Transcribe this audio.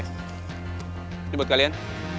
ini buat kalian